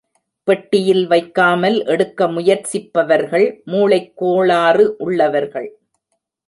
பெட்டியில் வைக்காமல் எடுக்க முயற்சிப்பவர்கள் மூளைக் கோளாறு உள்ளவர்கள்.